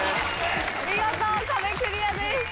見事壁クリアです。